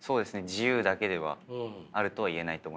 自由だけではあるとは言えないと思います。